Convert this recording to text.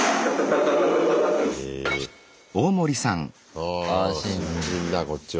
ああ新人だこっちは。